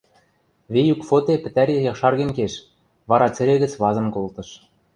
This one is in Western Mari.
Веюк Фоте пӹтӓри якшарген кеш, вара цӹре гӹц вазын колтыш